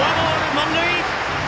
満塁！